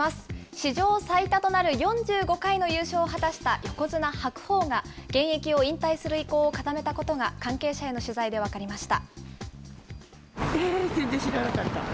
史上最多となる４５回の優勝を果たした横綱・白鵬が、現役を引退する意向を固めたことが関係者への取材で分かりました。